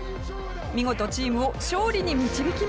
見事チームを勝利に導きました。